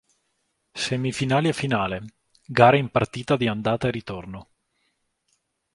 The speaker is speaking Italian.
Semifinali e finale: gare in partita di andata e ritorno.